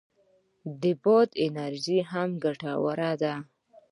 د باد انرژي هم ګټوره ده